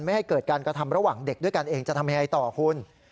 ให้เกิดการกระทำระหว่างเด็กด้วยกันเองจะทำยังไงต่อคุณ